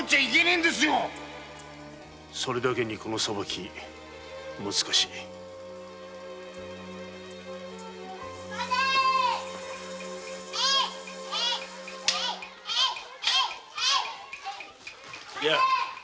それだけにこの裁き難しい。やぁ。